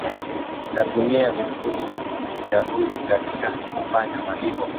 inatumia vivuli vya hundi katika kufanya malipo